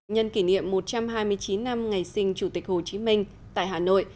nhân kỷ niệm một trăm hai mươi chín năm ngày sinh chủ tịch hồ chí minh tại hà nội